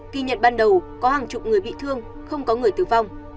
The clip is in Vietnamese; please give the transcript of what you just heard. kỳ nhận ban đầu có hàng chục người bị thương không có người tử vong